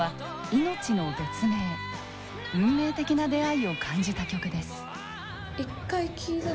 運命的な出会いを感じた曲です。